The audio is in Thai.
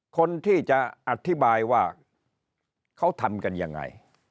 คนที่จะอธิบายว่าเขาทำกันยังไง